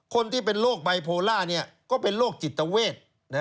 คนที่เป็นโรคไบโพล่าก็เป็นโรคจิตเวท